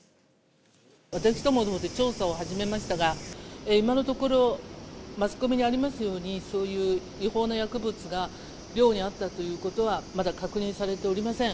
私どものほうで調査を始めましたが、今のところ、マスコミにありますように、そういう違法な薬物が寮にあったということはまだ確認されておりません。